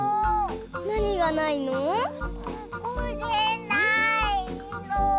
これないの。